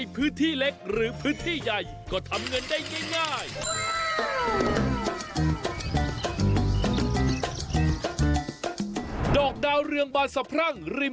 โปรดติดตามตอนต่อไป